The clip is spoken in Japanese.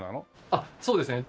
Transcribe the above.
あっそうですね。